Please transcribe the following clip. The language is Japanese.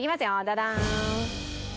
ダダーン！